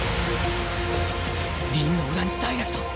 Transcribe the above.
凛の裏にダイレクト！